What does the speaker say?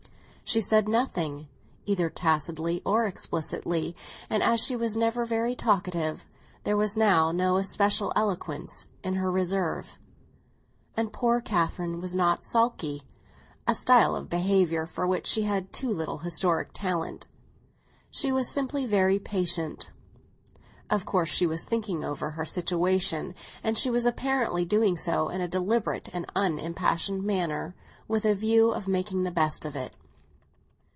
She said nothing, either tacitly or explicitly, and as she was never very talkative, there was now no especial eloquence in her reserve. And poor Catherine was not sulky—a style of behaviour for which she had too little histrionic talent; she was simply very patient. Of course she was thinking over her situation, and she was apparently doing so in a deliberate and unimpassioned manner, with a view of making the best of it.